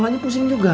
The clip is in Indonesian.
pala nya pusing juga